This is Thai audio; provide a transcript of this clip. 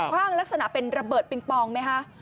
ว่างลักษณะเป็นระเบิดปิงปองไหมคะ